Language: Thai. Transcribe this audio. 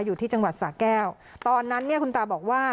อยู่ที่จังหวัดสะแก้วตอนนั้นเนี่ยคุณตาบอกว่า